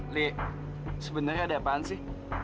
li sebenarnya ada apaan sih